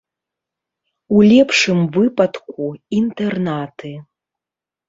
У лепшым выпадку, інтэрнаты.